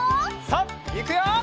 さあいくよ！